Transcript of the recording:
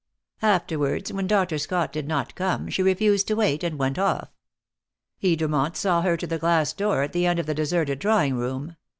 Afterwards, when Dr. Scott did not come, she refused to wait, and went off. Edermont saw her to the glass door at the end of the deserted drawing room.